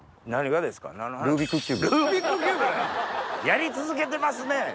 やり続けてますね。